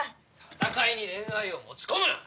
戦いに恋愛を持ち込むな！